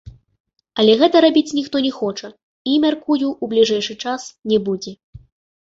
Але гэта рабіць ніхто не хоча і, мяркую, у бліжэйшы час не будзе.